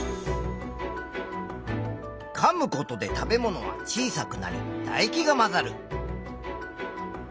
かむことで食べ物は小さくなりだ液が混ざる。